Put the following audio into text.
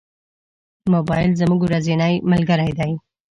موبایل زموږ ورځنی ملګری دی.